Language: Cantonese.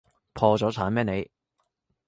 破咗產咩你？